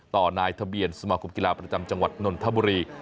ต่อนายทะเบียนสมาคมกีฬาปัจจรังวัตรนนทบุรี